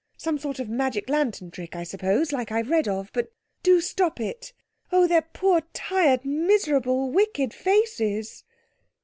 Some sort of magic lantern trick, I suppose, like I've read of. But do stop it. Oh! their poor, tired, miserable, wicked faces!"